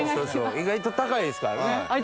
意外と高いですからね。